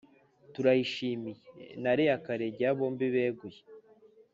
turayishimiye na leah karegeya bombi beguye